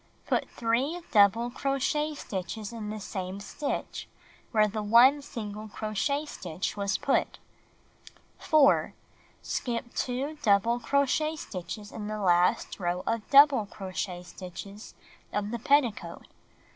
Put 3 double crochet stitches in the same stitch where the 1 single crochet stitch was put. 4. Skip 2 double crochet stitches in the last row of dou ble crochet stitches of the pet ticoat.